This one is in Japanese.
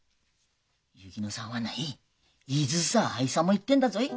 薫乃さんはない伊豆さ会いさも行ってんだぞい。